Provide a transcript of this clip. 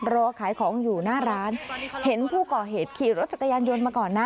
รอขายของอยู่หน้าร้านเห็นผู้ก่อเหตุขี่รถจักรยานยนต์มาก่อนนะ